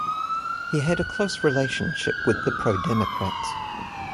He had close relationship with the pro-democrats.